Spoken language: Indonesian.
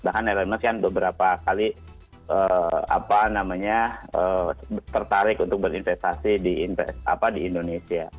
bahkan elon musk kan beberapa kali tertarik untuk berinvestasi di indonesia